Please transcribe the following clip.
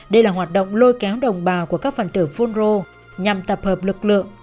đây là hoạt động lôi kéo đồng bào của các phần tử phun rô nhằm tập hợp lực lượng